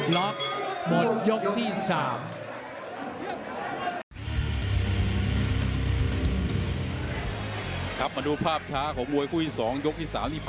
ล็อกหมดยกที่๓